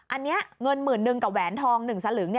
อันนี้เงินหมื่นหนึ่งกับแหวนทอง๑สลึง